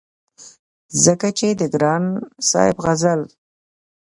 ځکه چې د ګران صاحب غزل